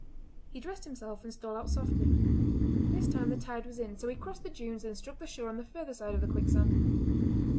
He dressed himself and stole out softly. This time the tide was in, so he crossed the dunes and struck the shore on the further side of the quicksand.